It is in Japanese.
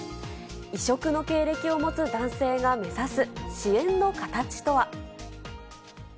異色の経歴を持つ男性が目指す支援の形とは。